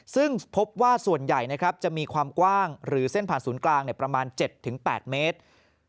ซึ่งพบว่าส่วนใหญ่จะมีความกว้างหรือเส้นผ่านศูนย์กลางประมาณ๗๘เมตร